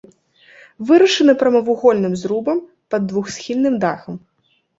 Вырашана прамавугольным зрубам пад двухсхільным дахам.